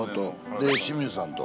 で清水さんと。